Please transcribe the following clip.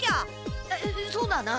そそうだな。